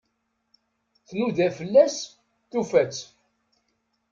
Tnuda fell-as, tufa-tt.